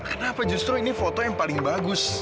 kenapa justru ini foto yang paling bagus